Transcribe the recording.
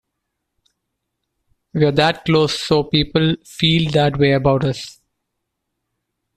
We're that close so people feel that way about us.